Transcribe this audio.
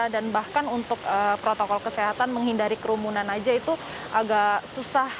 dan bahkan untuk protokol kesehatan menghindari kerumunan aja itu agak susah